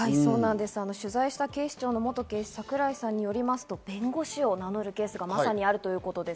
取材した警視庁の元警視・櫻井さんによりますと、弁護士を名乗るケースがまさにあるということです。